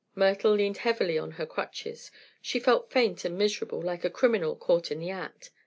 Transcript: Myrtle leaned heavily on her crutches. She felt faint and miserable, like a criminal caught in the act.